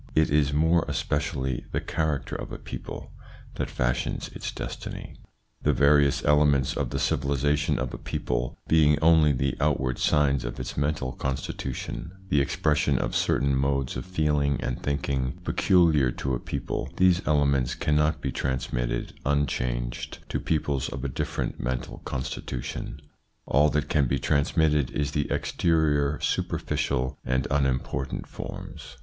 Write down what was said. It is more especially the character of a people that fashions its destiny. The various elements of the civilisation of a people being only the outward signs of its mental ITS INFLUENCE ON THEIR EVOLUTION 233 constitution, the expression of certain modes of feeling and thinking peculiar to a people, these elements cannot be transmitted unchanged to peoples of a different mental constitution : all that can be transmitted is the exterior, superficial, and unimpor tant forms.